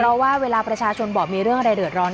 เพราะว่าเวลาประชาชนบอกมีเรื่องอะไรเดือดร้อน